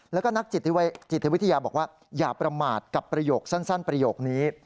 แล้วก็นักจิตวิทยาบอกว่าอย่าประมาทกับประโยคสั้นประโยคนี้